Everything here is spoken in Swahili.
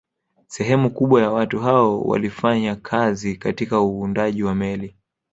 Sehemu kubwa ya watu hao walifanya kazi katika uundaji wa meli